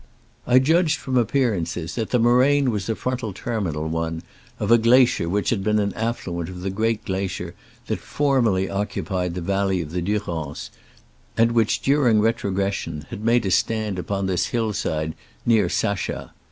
I judged from appearances that the mo raine was a frontal terminal one of a glacier which had been an affluent of the great glacier that formerly occupied the valley of the Durance, and which during retrogression had made a stand upon this hillside near Sachas.